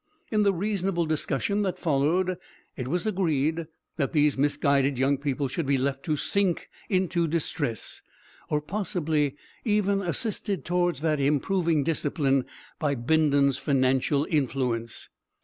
In the reasonable discussion that followed, it was agreed that these misguided young people should be left to sink into distress, or possibly even assisted towards that improving discipline by Bindon's financial influence.